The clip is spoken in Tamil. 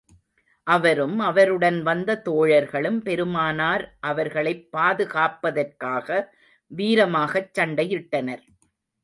அவரும், அவருடன் வந்த தோழர்களும், பெருமானார் அவர்களைப் பாதுகாப்பதற்காக வீரமாகச் சண்டையிட்டனர்.